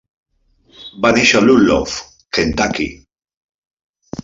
Va néixer a Ludlow, Kentucky.